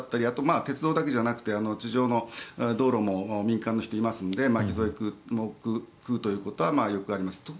あと鉄道だけじゃなくて地上の道路も民間の人がいますので巻き添えを食うということはよくあります。